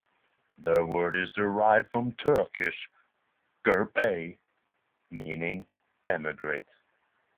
The word is derived from Turkish "gurbet", meaning "emigrate".